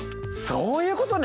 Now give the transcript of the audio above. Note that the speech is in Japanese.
そういうことね！